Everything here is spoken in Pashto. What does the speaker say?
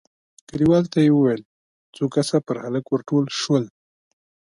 کليوالو ته يې وويل، څو کسه پر هلک ور ټول شول،